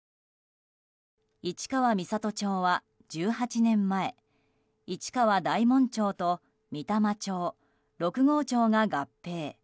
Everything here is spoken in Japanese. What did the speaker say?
市川三郷町は１８年前市川大門町と三珠町六郷町が合併。